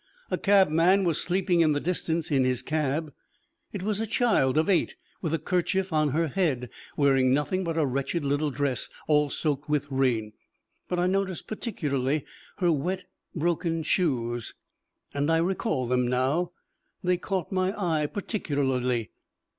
A cabman was sleeping in the distance in his cab. It was a child of eight with a kerchief on her head, wearing nothing but a wretched little dress all soaked with rain, but I noticed particularly her wet broken shoes and I recall them now. They caught my eye particularly.